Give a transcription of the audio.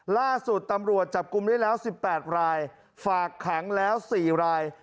ล่าสุดตำรวจจับกลุ่มได้แล้ว๑๘รายฝากขังแล้ว๔ราย